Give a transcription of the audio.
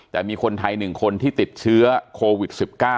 แต่มีคนไทย๑คนที่ติดเชื้อโควิด๑๙